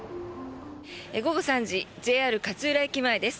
午後３時ＪＲ勝浦駅前です。